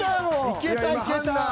いけたいけた。